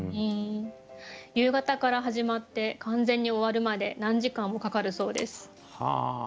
夕方から始まって完全に終わるまで何時間もかかるそうです。